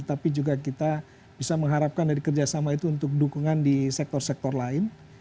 tapi juga kita bisa mengharapkan dari kerjasama itu untuk dukungan di sektor sektor lain